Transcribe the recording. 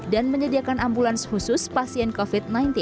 dan menyediakan ambulans khusus pasien covid sembilan belas